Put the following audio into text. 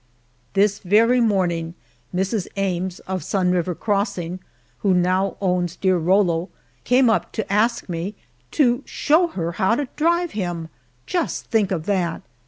This very morning, Mrs. Ames, of Sun River Crossing, who now owns dear Rollo, came up to ask me to show her how to drive him! Just think of that!